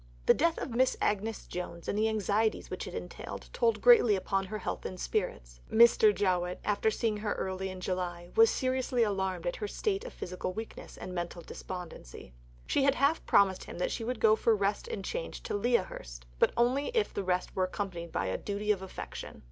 The death of Miss Agnes Jones and the anxieties which it entailed (chap. i.) told greatly upon her health and spirits. Mr. Jowett, after seeing her early in July, was seriously alarmed at her state of physical weakness and mental despondency. She had half promised him that she would go for rest and change to Lea Hurst; but only if the rest were accompanied by a duty of affection.